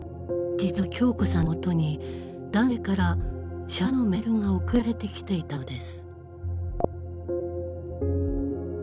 実は響子さんのもとに男性から謝罪のメールが送られてきていたのです。